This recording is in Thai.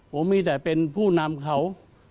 ผมมีแต่เป็นผู้นำเขา